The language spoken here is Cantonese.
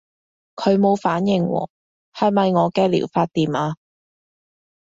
佢冇反應喎，係咪我嘅療法掂啊？